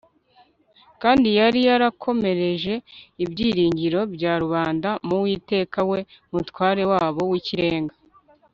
kandi yari yarakomereje ibyiringiro bya rubanda mu uwiteka we mutware wabo w'ikirenga